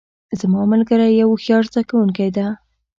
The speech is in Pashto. زما ملګری یو هوښیار زده کوونکی ده